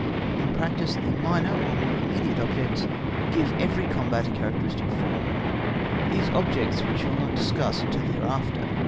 In practice the minor or more immediate objects give every combat a characteristic form; these minor objects we shall not discuss until hereafter.